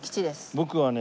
僕はね